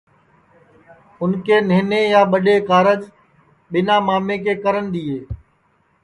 اُن کے نہنے یا ٻڈؔے کارج ٻیٹؔا مامے کے کرنے دؔیئے